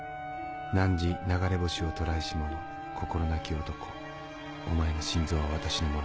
「汝流れ星を捕らえし者心なき男お前の心臓は私のものだ」。